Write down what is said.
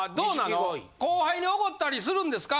後輩におごったりするんですか？